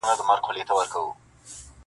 سرومال به مو تر مېني قرباني کړه-